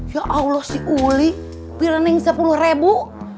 ya allah si uli pirning sepuluh ribu